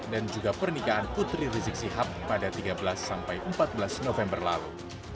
dan juga pernikahan putri rizik sihab pada tiga belas sampai empat belas november lalu